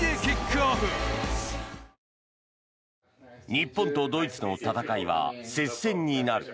日本とドイツの戦いは接戦になる。